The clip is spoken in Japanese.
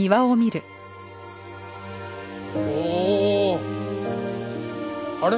おお。あれ？